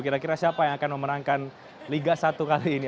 kira kira siapa yang akan memenangkan liga satu kali ini